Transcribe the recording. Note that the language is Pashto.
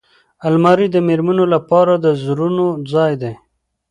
الماري د مېرمنو لپاره د زرونو ځای دی